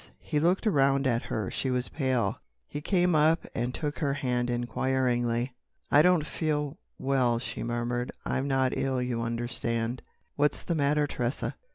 He looked around at her. She was pale. He came up and took her hand inquiringly. "I don't feel—well," she murmured. "I'm not ill, you understand——" "What's the matter, Tressa?"